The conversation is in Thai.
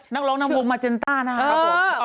นอกลงน้ำมุมมาเจนต้าน่ะ